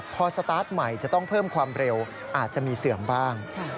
พอสตาร์ทใหม่จะต้องเพิ่มความเร็วอาจจะมีเสื่อมบ้าง